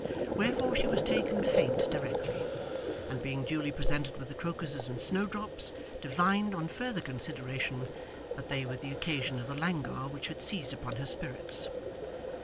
Wherefore she was taken faint directly; and being duly presented with the crocuses and snowdrops, divined on further consideration that they were the occasion of the languor which had seized upon her spirits.